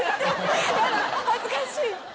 やだ恥ずかしい。